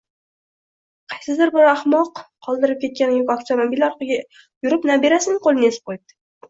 Qaysidir bir ahmoq qoldirib ketgan yuk avtomobili orqaga yurib nabirasining qoʻlini ezib qoʻyibdi